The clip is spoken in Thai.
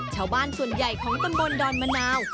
ชาวบ้านส่วนใหญ่ของตำบลดอนมะนาว